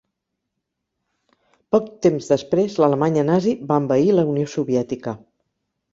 Poc temps després l'Alemanya Nazi va envair la Unió soviètica.